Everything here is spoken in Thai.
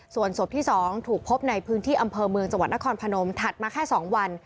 ส่วนศพที่๒ถูกพบในพื้นที่อำเภอเมืองจังหวัดนครพนมถัดมาแค่๒วัน